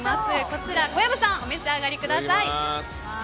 こちら小籔さんお召し上がりください。